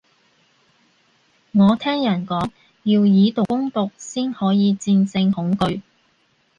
我聽人講，要以毒攻毒先可以戰勝恐懼